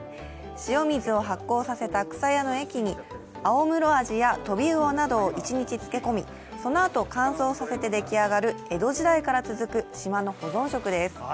塩水を発酵させたくさやの液にアオムロアジやトビウオなどを一日漬け込みそのあと乾燥させてでき上がる、江戸時代から続く島の保存食です。